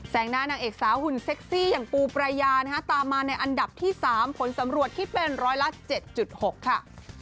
งหน้านางเอกสาวหุ่นเซ็กซี่อย่างปูปรายานะฮะตามมาในอันดับที่๓ผลสำรวจคิดเป็นร้อยละ๗๖ค่ะ